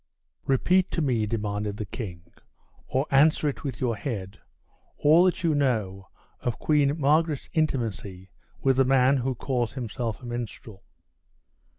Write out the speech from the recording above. "Repeat to me," demanded the king, "or answer it with your head, all that you know of Queen Margaret's intimacy with the man who calls himself a minstrel."